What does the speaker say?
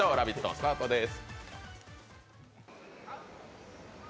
スタートです。